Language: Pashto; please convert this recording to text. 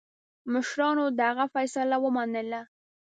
مشرانو د هغه فیصله ومنله.